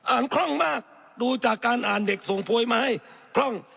คล่องมากดูจากการอ่านเด็กส่งพวยมาให้คล่อง